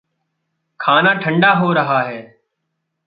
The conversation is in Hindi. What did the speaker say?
खाना ठंडा हो रहा है।